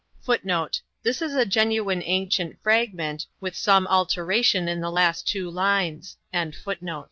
[Footnote: This is a genuine ancient fragment, with some alteration in the two last lines.